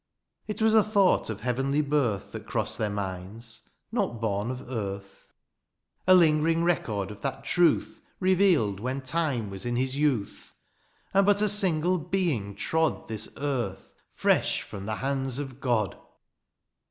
" It was a thought of heavenly birth " That crossed their minds, not bom of earth 5 " A lingering record of that truth '' Revealed when time was in his youth, " And but a single being trod " This earth, fresh from the hands of God